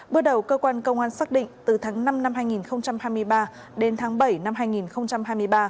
bước đầu cơ quan công an xác định từ tháng năm năm hai nghìn hai mươi ba đến tháng bảy năm hai nghìn hai mươi ba